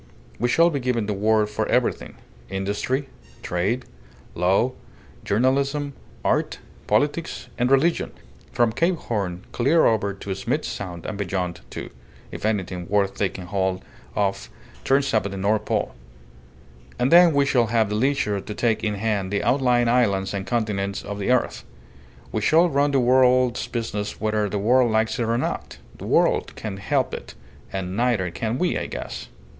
We shall be giving the word for everything: industry, trade, law, journalism, art, politics, and religion, from Cape Horn clear over to Smith's Sound, and beyond, too, if anything worth taking hold of turns up at the North Pole. And then we shall have the leisure to take in hand the outlying islands and continents of the earth. We shall run the world's business whether the world likes it or not. The world can't help it and neither can we, I guess."